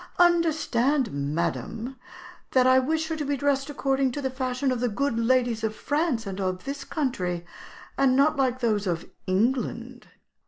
Understand, madam, that I wish her to be dressed according to the fashion of the good ladies of France and this country, and not like those of England.